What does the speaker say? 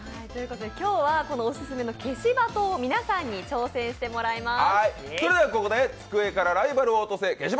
今日はこのオススメの消しバトを皆さんに挑戦してもらいます。